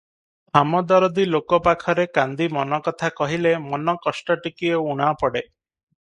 ହାମଦରଦୀ ଲୋକ ପାଖରେ କାନ୍ଦି ମନକଥା କହିଲେ ମନକଷ୍ଟ ଟିକିଏ ଊଣା ପଡ଼େ ।